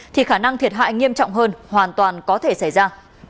thì khả năng thiệt hại nghiêm trọng hơn hoàn toàn có thể xảy ra